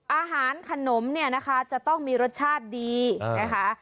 อาหารขนมเนี่ยนะคะจะต้องมีรสชาติดีนะคะ